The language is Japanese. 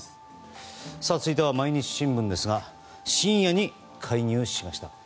続いては毎日新聞ですが深夜に介入しました。